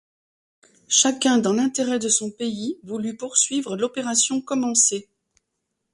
Chacun, dans l’intérêt de son pays, voulut poursuivre l’opération commencée.